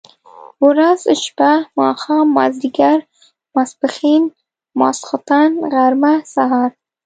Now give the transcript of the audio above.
ورځ، شپه ،ماښام، ماځيګر، ماسپښن ، ماخوستن ، غرمه ،سهار،